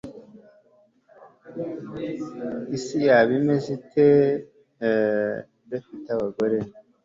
Isi yaba imeze ite idafite abagore